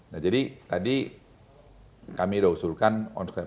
nah jadi tadi kami udah usulkan on screen awal